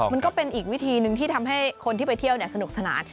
มันก็เป็นอีกวิธีหนึ่งที่ทำให้คนที่ไปเที่ยวสนุกสนาน